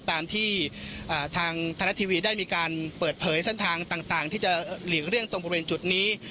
ตามที่ทางไทยรัฐทีวีได้มีการเปิดเผยเส้นทางต่างที่จะหลีกเลี่ยงตรงบริเวณจุดนี้